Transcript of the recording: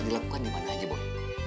bisa dilakukan dimana aja boy